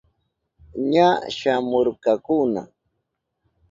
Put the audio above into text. Ña shamuhurkakuna.